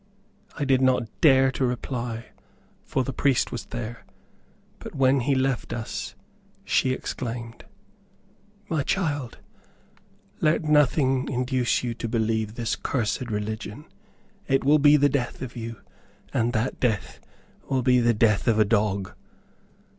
I did not dare to reply, for the priest was there, but when he left us she exclaimed, "My child, let nothing induce you to believe this cursed religion. It will be the death of you, and that death, will be the death of a dog."